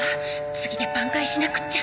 次で挽回しなくちゃ！